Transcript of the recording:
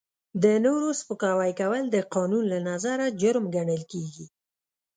د نورو سپکاوی کول د قانون له نظره جرم ګڼل کیږي.